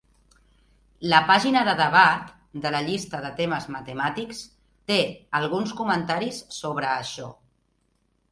La pàgina de debat de la llista de temes matemàtics té alguns comentaris sobre això.